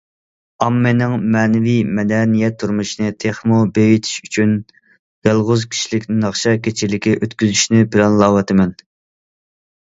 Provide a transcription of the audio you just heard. ئاممىنىڭ مەنىۋى مەدەنىيەت تۇرمۇشىنى تېخىمۇ بېيىتىش ئۈچۈن، يالغۇز كىشىلىك ناخشا كېچىلىكى ئۆتكۈزۈشنى پىلانلاۋاتىمەن.